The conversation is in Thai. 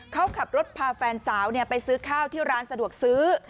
เขาขับรถพาแฟนสาวไปซื้อข้าวที่ร้านสะดวกซื้อ